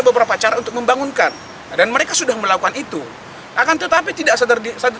beberapa cara untuk membangunkan dan mereka sudah melakukan itu akan tetapi tidak sadar di